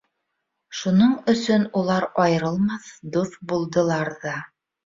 Шуның өсөн улар айырылмаҫ дуҫ булдылар ҙа.